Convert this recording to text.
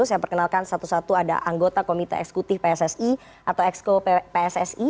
saya perkenalkan satu satu ada anggota komite eksekutif pssi atau exco pssi